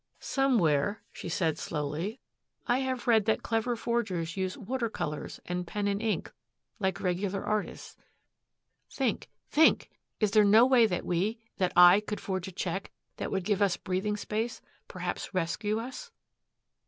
"Somewhere," she said slowly, "I have read that clever forgers use water colors and pen and ink like regular artists. Think think! Is there no way that we that I could forge a check that would give us breathing space, perhaps rescue us?"